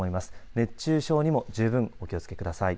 熱中症にも十分気をつけください。